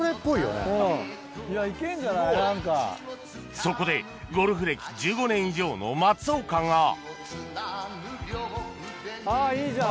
そこでゴルフ歴１５年以上の松岡があっいいじゃん。